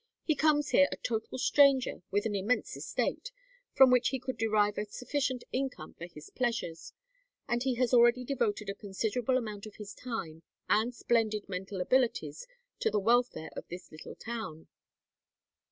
He comes here a total stranger with an immense estate, from which he could derive a sufficient income for his pleasures, and he has already devoted a considerable amount of his time and splendid mental abilities to the welfare of this little town.